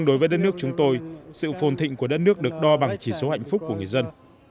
đối với đất nước chúng tôi sự phồn thịnh của đất nước được đo bằng chỉ số hạnh phúc của người dân